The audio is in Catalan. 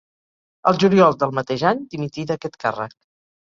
El juliol del mateix any dimití d'aquest càrrec.